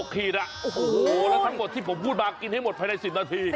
ขีดอ่ะโอ้โหแล้วทั้งหมดที่ผมพูดมากินให้หมดภายใน๑๐นาที